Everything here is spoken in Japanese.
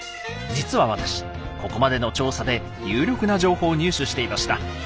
実は私ここまでの調査で有力な情報を入手していました。